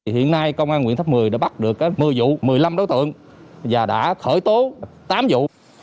hiện nay công an nguyễn tháp một mươi đã bắt được một mươi vụ một mươi năm đối tượng và đã khởi tố tám vụ